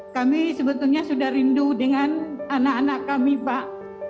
kami sebetulnya sudah rindu dengan anak anak kami pak